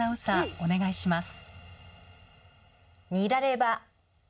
お願いします。